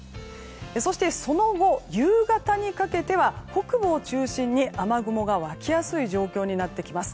そして、その後夕方にかけては北部を中心に雨雲が湧きやすい状況になってきます。